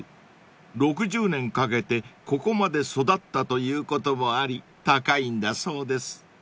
［６０年かけてここまで育ったということもあり高いんだそうです］